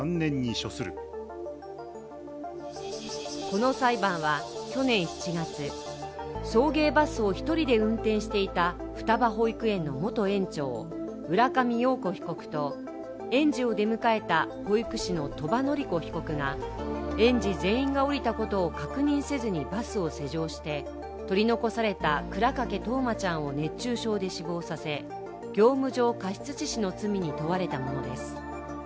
この裁判は去年７月、送迎バスを１人で運転していた双葉保育園の元園長、浦上陽子被告と園児を出迎えた保育士の鳥羽詞子被告が園児全員が降りたことを確認せずにバスを施錠して取り残された倉掛冬生ちゃんを熱中症で死亡させ業務上過失致死の罪に問われたものです。